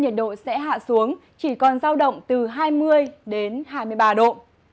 nhiệt độ cao nhất sẽ hạ xuống chỉ còn giao động từ hai mươi đến hai mươi ba độ